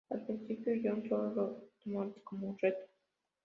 Al principio John solo lo tomaba como un reto.